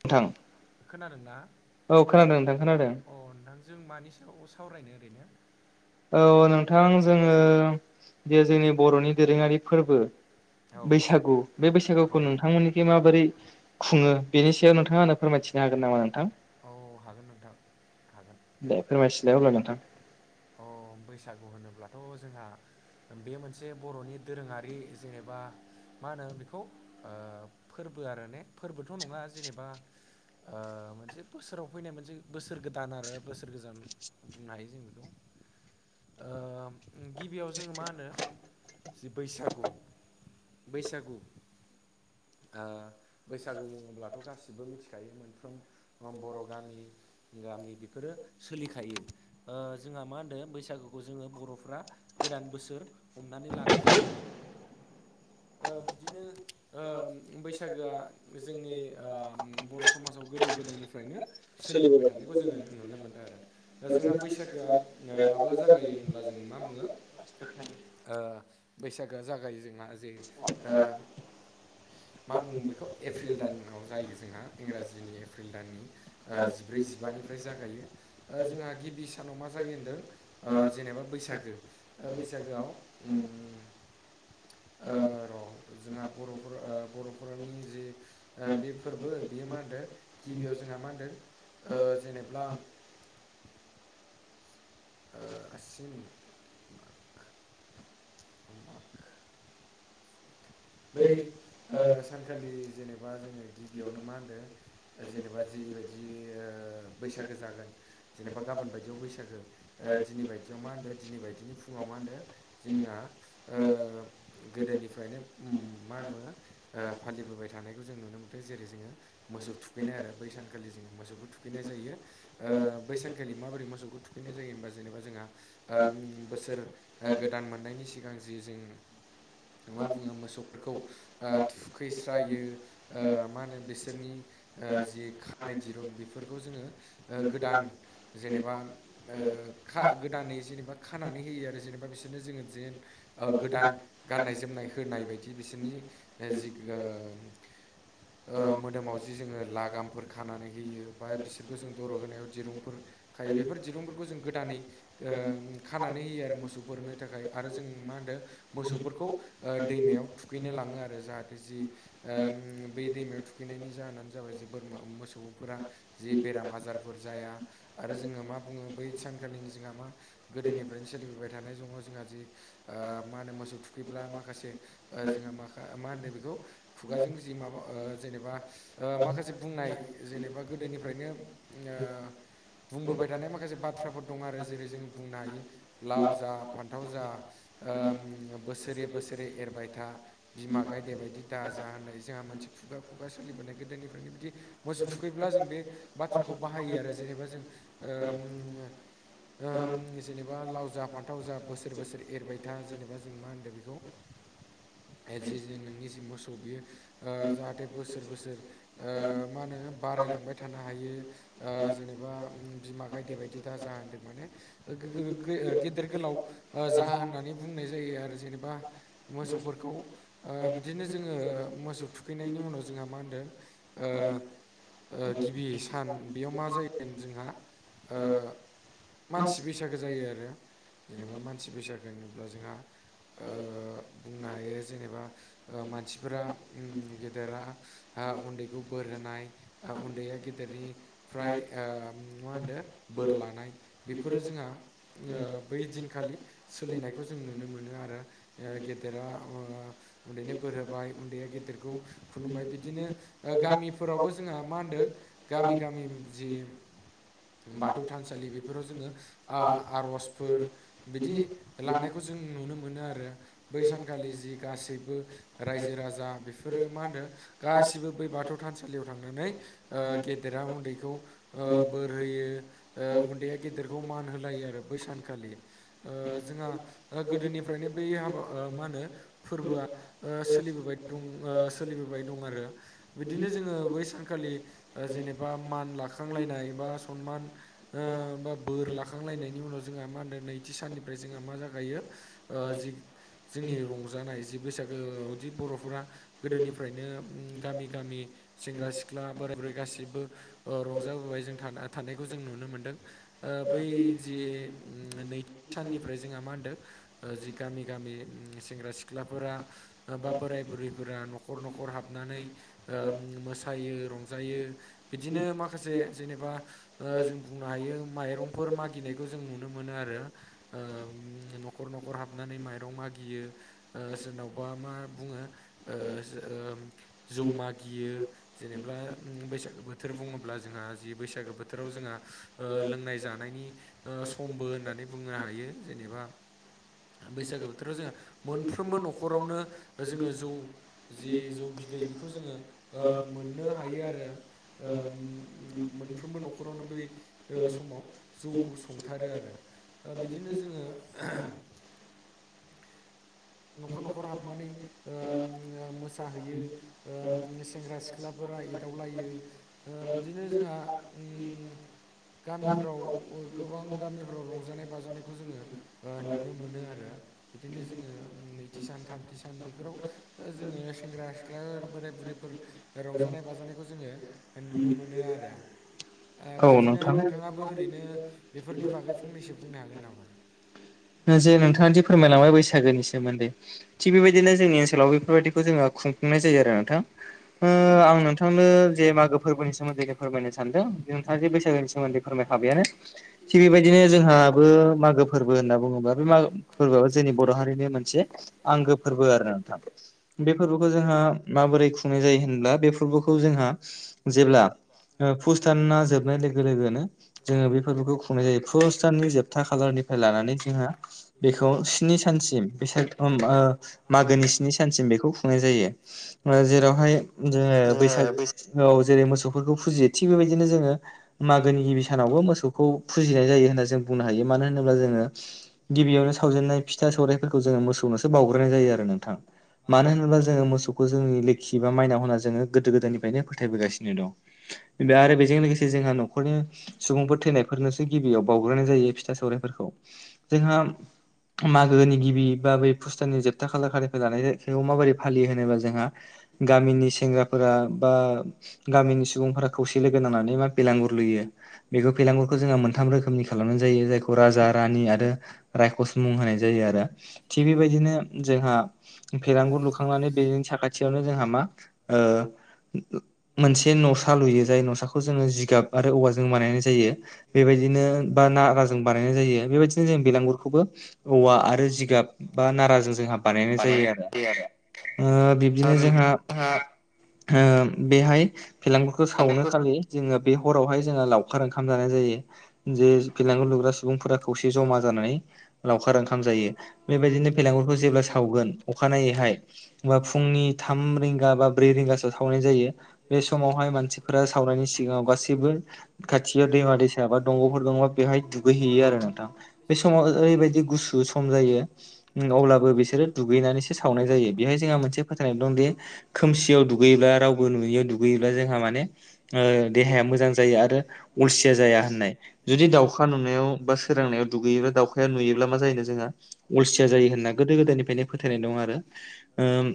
नोंथां खोनादोंना औ खोनादों नोंथां खोनादों औ अ नोंथां जों मानि सायाव सावरायनो ओरैनो औ नोंथां जोङो बे जोंनि बर'नि दोरोङारि फोरबो औ बैसागु बे औ बैसागुखौ नोंथांमोननिथि माबोरै खुङो बेनि नोंथाङा आंनो फोरमायथिनो हागोन नामा नोंथां? औ हागोन नोंथां हागोन दे फोरमायथिलाय होमब्ला नोंथां दाथ' जोंहा बे मोनसे बर'नि दोरोङारि जेनेबा मा होनो बेखौ फोरबो आरो ने फोरबोथ' नङा जेनेबा मोनसे बोसोराव फैनाय मोनसे बोसोर गोदान आरो बोसोर गोजान बुंनो हायो जों बेखौ गिबियाव जोङो मा होनो जि बैसागु बैसागु ओ बैसागु बुङोब्लाथ' गासिबबो मिनथिखायो मोनफ्रोम अ बर' गामि गामि बेफोरो सोलिखायो ओ जोंहा मा होनदो बैसागुखौ जोङो बर'फ्रा गोदान बोसोर हमनानै लानाय जायो आरो ओ बिदिनो ओम बैसागोआ जोंनि ओम बर' समाजाव गोदो गोदायनिफ्रायनो सोलिबोबाय थानायखौ जोङो नुनो मोनदों आरो। ओ जोंहा बैसागोआ ओ माब्ला जागायो होनब्ला जोङो मा बुङो? ओ बैसागोआ जागायो जोंहा जे ओ मा बुङो बेखौ एप्रिल दानाव जायो जोंहा इंराजिनि एप्रिल दाननि ओ जिब्रै जिबान निफ्राय जागायो। ओ जोंहा गिबि सानाव मा जायो होनदों ओ जेनेबा बैसागो ओ बैसागोआव उम ओ र' जोंहा बर'फोर ओ बर'फोरनि जि ओ बे फोरबो बेयो मा होनदों गिबियाव जोंहा मा होनदों ओ जेनेब्ला ओ आसिन, कार्टिक, माग माग बै ओ सानखालि जेनेबा जोङो गिबियावनो मा होनदो जेनेबा जिबायदि ओ बै सागो जागोन जेबा गाबोन बायदियाव बैसागो ओ दिनै बायदियाव मा होनदो दिनै बायदिनि फुङाव मा होनदो जोंना ओ गोदोनिफ्रायनो उम मा होनोबा ओ फालिबोबाय थानायखौ जों नुनो मोन्दों। जेरै जोङो मोसौ थुखैनाय आरो बैसानखालि जोङो मोसौखौ थुखैनाय जायो। ओ बैसान खालि माबोरै मोसौखौ थुखैनाय जायो होमबा जेनेबा जोंहा ओम बोसोर ओ गोदान मोननायनि सिगां जि जों मा बुङो मोसौफोरखौ ओ थुखैस्रायो ओ मा होनो बिसोरनि ओ जि खानाय दिरुं बेफोरखौ जोङो ओ गोदान जेनेबा ओ खा गोदानै जेनेबा खानानै होयो आरो जेनेबा बिसोरनो जोङो जेन ओ गोदान गाननाय जोमनाय होनाय बायदि बिसोरनि जि गोम ओ मोदोमाव जि जोंङो लागामफोर खानानै होयो बा बिसोरखौ जों दर' होनायाव दिरुंफोर खाय बेफोर दिरुंफोरखौ जों गोदानै ओ खानानै होयो आरो मोसौफोरनो थाखाय आरो जों मा होन्दो मोसौफोरखौ ओ दैमायाव थुखैनो लाङो आरो जाहाथे जि ओम बै दैमायाव थुखैनायनि जाहोनानो जाबाय जि बोरमा मोसौफोरा जि बेराम आजारफोर जाया आरो जोङो मा बुंङो बै सानखालिनि जिङा मा गोदोनिफ्रायनो सोलिबोबाय थानाय जङ जोंहा जि ओ मा होनो मोसौ थुखैब्ला माखासे ओ जोंहा माखा मा होनो बेखौ खुगाजों जि माबा ओ जेनेबा ओ माखासे बुंनाय जेनेबा गोदोनिफ्रायनो ओ बुंबोबाय थानाय माखासे बाथ्राफोर दं आरो जेरै जोंङो बुंनो हायो लाव जा फान्थाव जा ओम बोसोरे बोसोरे एरबाय था बिमा गायदे बायदि दाजा होननाय जोंहा मोनसे खुगा खुगा सोलिबोनाय गोदोनि ओरैनो बिदि मोसौ थुखैब्ला जों बे बाथ्राखौ बाहायो आरो जेनेबा जों ओम ओ ओम जेनेबा लाव जा फान्थाव जा बोसोर बोसोर एरबाय था। जेनेबा जों मा होनदों बेखौ? ए जि जो नोंनि जि मोसौ बियो ओ जा थे बोसोर बोसोर ओ मा होनो बारायलांबाय थानो हायो ओ जेनेबा उम बिमा गायदे बायदि दा जा होनदों माने ओ गो-गो-गो-ओ-गेदेर गोलाव ओ जाहोन होननानै बुंनाय जायो आरो जेनेबा मोसौफोरखौ ओ बिदिनो जोंङो मोसौ थुखैनायनि उनाव जोंहा मा होनदों ओ [inaudible] ओ गिबि सान बेयाव मा जायोगोन जोंहा ओ मानसि बैसागो जायो आरो जेनेबा मानसि बैसागो होनोब्ला जोंहा ओ बुंनो हायो जेनेबा ओ मानसिफोरा उम गेदेरा हा उन्दैखौ बोर रोनाय ओ उन्दैया गेदेरनि फ्राय ओ मा होनदों बोर लानाय बेफोरो जोंहा बै दिनखालि सोलिनायखौ जों नुनो मोनो आरो ओ गेद गेदेरा ओ उन्दैनो बोर होबाय उन्दैया गेदेरखौ खुलुमबाय बिदिनो ओ गामि फोरावबो जोंहा मा होनदों गामि गामि जि बाथौ थानसालि बेफोराव जोङो आ-आर'जफोर बिदि लानायखौ जो जों नुनो मोनो आरो बै सानखालि जि गासैबो रायजो राजा बेफोरो मा होनो गासिबो बै बाथौ था थानसालियाव थांनानै ओ गेदेरा उन्दैखौ ओ बोर होयो ओ उन्दैआ गे देरखौ मान होलायो आरो बैसानखालि ओ जोंहा ओ गोदोनिफ्रायनो बै हाबा ओ मा होनो फोरबोआ ओ सोलिबोबाय दं ओ सोलिबोबाय दं आरो बिदिनो जोङो बै सानखालि ओ जेनेबा मान लाखांलायनाय बा सनमान ओ बोर लाखांलांनायनि उनाव जोंहा मा होनदों नैथि साननिफ्राय जोंहा मा जागायो ओ जि जोंनि रंजानाय जि बैसागोआवदि बर'फोरा गोदोनिफ्रायनो ओम गामि गामि सेंग्रा सिख्ला बोराय बुरै गासिबो ओ रंजाबोबाय जों थानायखौ जों नुनो मोन नुनो मोनदों ओ बै जि नैथि साननिफ्राय जोंहा मा होनदों जि गामि गामि ओम सेंग्रा सिख्लाफोरा बा बोराय बुरैफोरा न'खर न'खर खर हाबनानै ओ मोसायो रंजायो बिदिनो माखासे जेनेबा ओ जों बुंनो हायो माइरंफोर मागिनायखौ जों नुनो मोनो आरो ओ न'खर न'खर हाबनानै माइरं मागि गियो ओ सोरनावबा मा बुंङो ओ जौ मागियो जेनेबा बैसागो बोथोर बुङोब्ला जोंहा जि बैसागो बोथोराव जोंहा ओ लोंनाय जानायनि ओ समबो होननानै बुंनो हायो जेनेबा बैसागो बोथोराव जोंङो मोनफ्रोमबो न'खरावनो जोंङो जौ जे जौ बिदै बेखौ जोङो ओ मोननो हायो आरो ओ मोनफ्रोमबो न'खरावनो बै ओ समाव जौखौ संथारो आरो ओ बिदिनो जोङो न'खर न'खर हाबनानै मोसाहैयो ओ सेंग्रा सिख्लाफोर फ्रा एदावलायो ओ बिदिनो जोंहा ओम गामिफोराव गोबां गामिफ्राव रंजानाय बाजानायखौ जोङो ओ नुनो मोनो आरो बिदिनो जोङो नैथि सान थामथि सान बेफोराव जोङो सेंग्रा सिख्लाफोर बोराय बुरैफोर रंजा नाजानाय बाजानायखौ जोङो नुनो मोनो आरो ओ औ बिदिनो नोंथां नोंथाङाबो ओरैनो बेफोरनि बागै फंनैसो बुंनो हागोन नामा? जे नोंथाङादि फोरमायलांबाय बैस बैसागोनि सोमोन्दै थिग बेबायदिनो जोंनि ओनसोलाव बेफोरबायाददिखौ जोङो खुंफुंनाय जायो आरो नोंथां ओ आं नोंथां नोंथांनो जे मागो फोरबोनि सोमोन्दै फोरमायनो सानदों नोंथाङा जे बैसागोनि सोमोन्दै फोरमायखाबायानो थिग बेबायदिनो जोंहाबो मागो फोरबो होनना बुङोबा बे मा फोरबोआबो जोंनि बर' हारिनि मोनसे आंगो फोरबो आरो नोंथां बे फोरबोखौ जोंहा माबोरै खुंनाय जायो होनब्ला बे फोरबोखौ जोंहा जेब्ला पुसदाना जोबनाय लोगो लोगोनो जोङो बेफोरखौ खुंनाय जायो पुसदाननि जोबथा खालार निफ्राय लानानै बेखौ स्नि सानसिम बिसोर ओ मागोनि स्नि सानसिम बेखौ खुंनाय जायो जेरावहाय जोङो बैसागोआव जेरै मोसौफोरखौ फुजियो थिग बेबायदिनो जोङो मागोनि गिबि सानावबो मोसौखौ फुजिनाय जायो होन्ना जों बुंनो हायो मानो होनोब्ला जोङो गिबियावनो सावजेननाय फिथा सौराइफोरखौ जोङो मोसौनोसो बावग्रोनाय जायो आरो नोंथां मानो होनोब्ला जोङो मोसौखौ जोंनि लोखि बा माइनाव होनना जोङो गोदो गोदायनिफ्रायनो फोथायबोगासिनो दं। दा आरो बेजों लोगोसे जोंहा न'खरनि सुबुंफोर थैनायफोरनोसो गिबियाव बावग्रोनाय जायो फिथा सौरायफोरखौ‌। जोंहा मागोनि गिबि बा बै फुसदाननि जोबथा खालार खालिनिफाय लानाय जाय [unintelligible] माबोरै फालियो होनोबा जोंहा गामिनि सेंग्राफोरा बा गामिनि सुबुंफोरा खौसे लोगो नांनानै मा बेलांगुर लुयो। बैखो बेलागुरखौ जोंहा मोनथाम रोखोमनि खालामनानै जायो जायखौ राजा रानि आरो रायखस मुं होनाय जायो आरो। थिग बेबायदिनो जोंहा भेलांगुर लुखांनानै बेजों साखाथियावनो जोंहा मा ओ मोनसे न'सा लुयो जाय न'साखौ जोङो जिगाब आरो औवाजों बानायनाय जायो। बेबाय दिनो बा नाराजों बानायनाय जायो। बेबायदिनो जों बेलांगुरखौबो औवा आरो जिगाब बा नाराजों जोंहा बानायनाय जायो आरो। ओ बिब्दिनो आरो बिब्दि जोंहा ओ बेहाय बेलांगुरखो सावनाय खालि जोङो बे हरावहाय जोङो लावखार ओंखाम जानाय जायो। जे बेलांगुर लुग्रा सुबुंफोरा खौसे जमा जानानै लावखार ओंखाम जायो। बेबायदिनो बेलागुरखौ जेब्ला सावगोन अखानायैहा हाय होमबा फुंनि थाम रिंगा बा ब्रै रिंगा सोआव सावनाय जायो। बे समावहाय मानसिफोरा सावनायनि सिगाङाव गासिबो खाथियाव दैमा दैसा बा दंग'फोर दङबा बेवहाय दुगैहैयो आरो नों थां बे समाव ओ ओरैबायदि गुसु सम जायो उम अब्लाबो बिसोरो दुगैनानैसो सावनाय जाय यो बेहाय जोंहा मोनसे फोथायनाय दंदि खोमसियाव दुगैयोब्ला रावबो नुयैयाव दुगैयोब्ला जोंहा माने ओ देहाया मोजां जायो आरो असिया जाया होननाय। जुदि दाउखा नुनायाव बा सो सोरोंनायाव दुगैयोबा दावखाया नुयोब्ला मा जायोनो जोंहा अलसिया जायो होनना गोदो गोदायनिफ्रायनो फोथायनाय दं आरो। ओम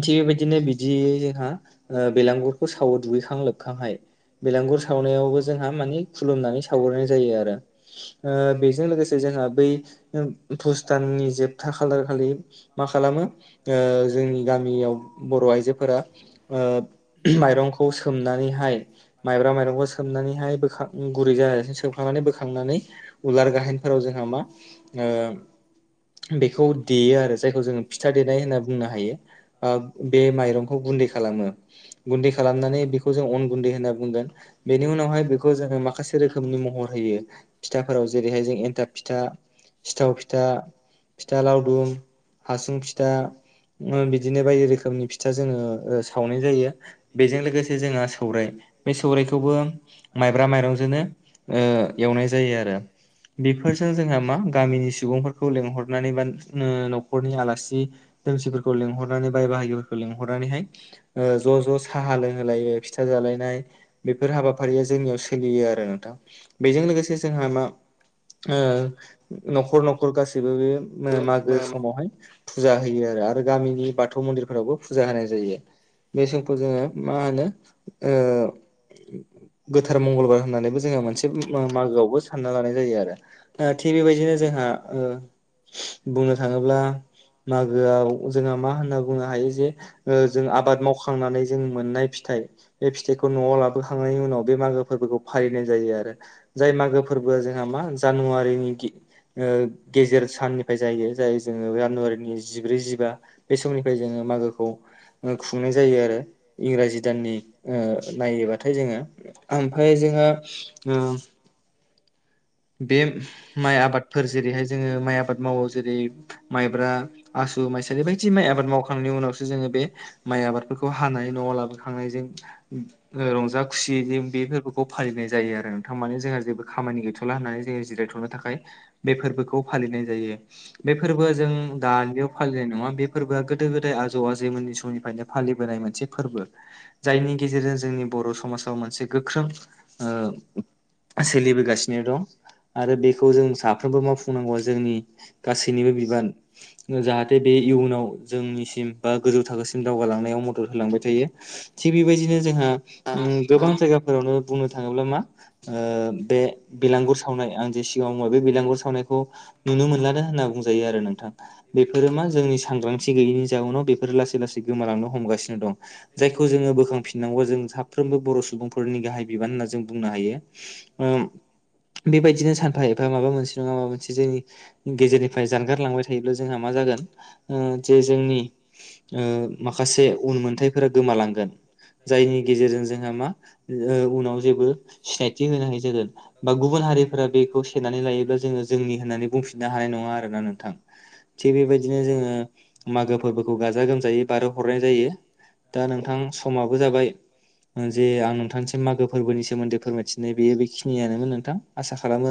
थिग बेबायदिनो बिदियै जोंहा ओ बेलांगुरखौ सावो दुगैखां लोबखांहाय। बेलांगुर सावनायावबो जोंहा माने खुलुमनानै सावग्रोनाय जायो आरो। ओ बेजों लोगोसे जोंहा बै ओ पुस दाननि जोबथा खालार खालि मा खालामो ओ जोंनियाव गामियाव बर' आइजोफोरा ओ माइरंखौ सोम नानैहाय माइब्रा माइरंखौ सोबनानैहाय बोखां गुरै जानायसिम सोबखांनानै बोखांनानै उलार गाहेनफोराव जोंहा मा ओम। बेखौ देयो आरो जायखौ जोङो फिथा देनाय होनना बुंनो हायो। ओ बे माइरंखौ गुन्दै खालामो। गुन्दै खालामनानै बेखौ‌ जों अन गुन्दै होना बेनि उनावहाय बेखौ जोङो माखासे रोखोमनि महर होयो। फिथा जेरैहाय जों एनथाब फिथा, सिथाव फिथा, फिथा लावदुम, हासुं फिथा ओ बिदिनो बायदि रोखोमनि फिथा जोङो ओ सावनाय जायो। बे जों लोगोसे जोंआ सौराय बे सौरायखौबो माइब्रा माइरंजोंनो ओ एवनाय जायो आरो। बेफोरजों जोंहा मा गामिनि सुबुंफोरखौ लेंहरनानै बा ओ न'खरनि आलासि दुमसिफोरखौ लेंहनानै बाय बाहागिफोरखौ लेंहरनानैहाय ओ ज' ज' साहा लोंहोलायो। फिथा जालायनाय बेफोर हाबाफारिया जोंनियाव सोलियो आरो नोंथां बेजों लोगोसे जोंहा मा। ओ न'खर न'खर गासैबो बे ओ मागो जोंहा समावहाय फुजा होयो आरो। आरो गामिनि बाथौ मन्दिरफोरावबो फुजा होनाय जायो। बे समखौ जोङो मा होनो ओ गोथार मंगलबार होननानैबो जोङो मोनसे मा-मागोआवबो सान लानाय जायो आरो। ओ थिग बेबायदिनो जोंहा ओ बुंनो थाङोब्ला मागोआव जोंहा मा होनना बुंनो हायो जे ओ जों आबाद मावखांनानै जों मोननाय फिथाइ। बे फिथाइखौ न'आव लाबोखांनायनि उनाव बे मागो फोरबोखौ फालिनाय जायो आरो। जाय मागो फोरबोआ जोंहा मा जानुवारिनि गि ओ गेजेर साननिफाय जायो जाय जोङो जानुवारिनि जिब्रै जिबा। बे समनिफाय जोङो मागोखौ ओ खुंनाय जायो आरो। इंराजि दाननि ओ नायोबाथाय जोङो आमफाय जोङो ओम [inaudible] बे माइ आबादफोर जेरैहाय जोङो माइ आबाद मावो जेरै माइब्रा आस सु माइसालि बायदि माइ आबाद मावखांनायनि उनावसो जोङो बे माइ आबादफोरखौ हानाय न'आव लाबोखांनायजों ओ रंजा खुसि बे फोरबोखौ फालिनाय जायो आरो नोंथां माने जोंहा जेबो खामानि गैथ'ला होननानै जों जिरायथ'नो थाखाय बे फोरबोखौ फालिनाय जायो बे फोरबोआ जों। दानि बेयाव फालिनाय नङा बे फोरबोआ गोदो गोदाय आजौ आजैमोननि समनिफ्रायनो फालिबोनाय मोनसे फोरबो। जायनि गेजेरजों जोंनि बर' समाजाव मोनसे गोख्रों ओ सोलिबो। गासिनो दं आरो बेखौ जों साफ्रोमबो मावफुंनांगौआ जोंनि गासैनिबो बिबान। जाहाथे बे इयुनाव जोंनिसिम बा गोजौ थाखोसिम दावगालांनायाव मदद होलांबाय थायो। थिग बेबायदिनो जोंहा गोबां जायगाफोरावनो बुंनो थाङोब्ला मा ओ बे। बेलांगुर सावनाय आं जे सिगाङाव बुङो बे बिलांगुर सावनायखौ नुनो मोनलानो होनना बुंजायो आरो नोंथां। बेफोरो मा जोंनि सांग्रांथि गैयैनि जाउनाव बेफोरो लासै लासै गोमालांनो हमगासिनो दं जायखौ। बेखौ जोङो बोखांफिनांगौ जों साफ्रोमबो बर' सुबुंफोरनि गाहाय बिबान होनना जों बुंनो हायो ओ। बेबायदिनो सानफा एफा माबा मोनसे नङा माबा मोनसे जोंनि गेजेरनिफ्राय जानगार लांबाय थायोब्ला जोंहा। मा जागोन ओम जे जोंनि ओ माखासे उनमोन्थायफोर गोमालां। नांगोन जायनि गेजेरजों जोंहा मा उनाव जेबो सिनायथि होनो हायि जागोन। बा गुबुन हारिफोरा बेखौ सेेनानै लायोब्ला जोङो जोंनि होननानै बुंफिननो हानाय नङा आरोना नोंथां थिग बे बेबायदिनो जोंङो मागो फोरबोखौ गाजा गोमायै बारहो हरनाय जायो दा। नोंथां समाबो जाबाय जे आं नोंथांनिसिम मागो फोरबोनि सोमोन्दै फोरमायथिनाय बेयो बेखिनियानो। आसा खालामो।